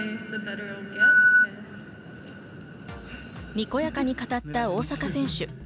にこやかに語った大坂選手。